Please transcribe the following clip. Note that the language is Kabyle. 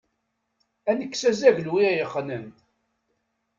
Ad nekkes azaglu i ɣ-yeqqnen.